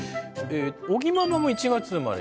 尾木ママも１月生まれ？